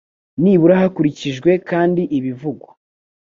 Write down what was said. nibura hakurikijwe kandi ibivugwa